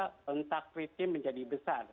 nah kontak rating menjadi besar